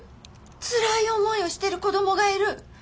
つらい思いをしている子供がいる。